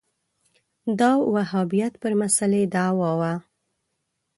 دا وهابیت پر مسألې دعوا وه